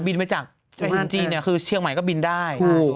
บินไปจากอู่ฮันด์จีนคือเชียงใหม่ก็บินได้